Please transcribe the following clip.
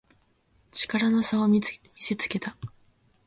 力の差を見せつけた